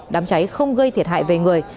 đám cháy không gây thiệt hại về người